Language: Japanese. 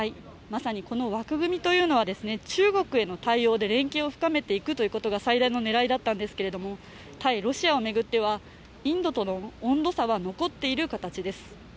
まさにこの枠組みというのは中国への対応で連携を深めていくということが最大の狙いだったんですけれども対ロシアを巡ってはインドとの温度差は残っている形です。